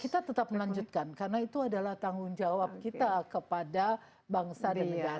kita tetap melanjutkan karena itu adalah tanggung jawab kita kepada bangsa dan negara